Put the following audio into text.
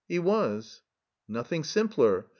He was. Nothing simpler.